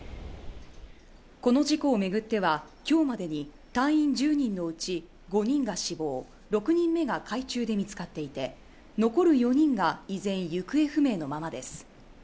この事故を巡っては、今日までに隊員１０人のうち５人が死亡、６人目が海中で見つかっていて、残る４人が依然行方不明のままです。